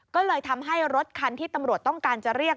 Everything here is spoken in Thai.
ก็เลยทำให้รถคันที่ตำรวจต้องการจะเรียก